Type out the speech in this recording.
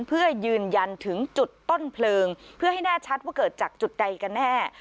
เพื่อยืนยันถึงจุดต้นเพลิงเพื่อให้แน่ชัดว่าเกิดจากจุดใดกันแน่